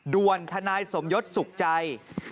ด่วนทนายสมยศสุขใจ